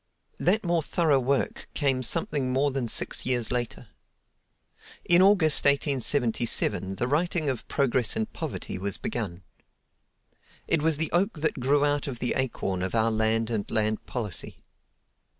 That more thorough work came something more than six years later. In August, 1877, the writing of "Progress and Poverty" was begun. It was the oak that grew out of the acorn of "Our Land and Land Policy."